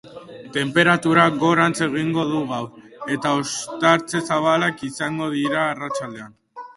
Tenperaturak gorantz egingo du gaur, eta ostarte zabalak izango dira arratsaldean.